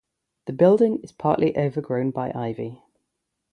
The building is partly overgrown by ivy.